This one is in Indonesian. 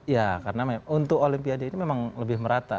ya karena untuk olimpiade ini memang lebih merata